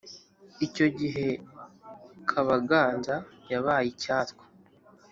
Icyo gihe Kabaganza yabaye icyatwa